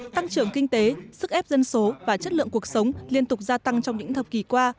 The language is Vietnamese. tăng trưởng kinh tế sức ép dân số và chất lượng cuộc sống liên tục gia tăng trong những thập kỷ qua